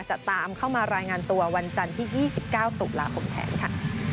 จะตามเข้ามารายงานตัววันจันทร์ที่๒๙ตุลาคมแทนค่ะ